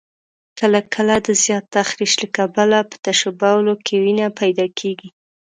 کله کله د زیات تخریش له کبله په تشو بولو کې وینه پیدا کېږي.